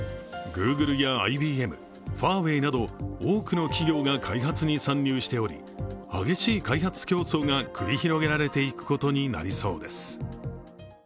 ＧｏｏｇｌｅやＩＢＭファーウェイなど多くの企業が開発に参入しており激しい開発競争が繰り広げられていくことになりそうです。